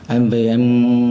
em về em